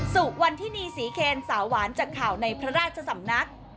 สู่วันที่นีสีเขนสาวหวานจากข่าวในพระราชสำนัก